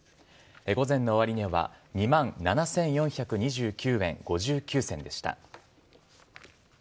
午前の終値は２万７４２９円５９銭でした。